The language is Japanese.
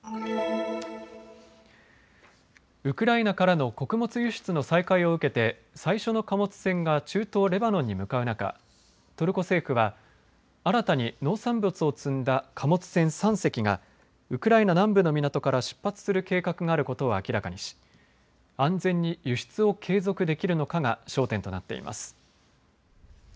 ウクライナからの穀物輸出の再開を受けて最初の貨物船が中東レバノンに向かう中、トルコ政府は新たに農産物を積んだ貨物船３隻がウクライナ南部の港から出発する計画があることを明らかにし安全に輸出を継続できるのかが焦点となっています。